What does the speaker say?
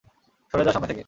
সরে যাও সামনে থেকে!